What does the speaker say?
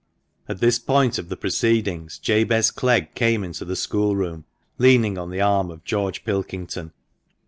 At this point of the proceedings Jabez Clegg came into the school room, leaning on the arm of George Pilkington.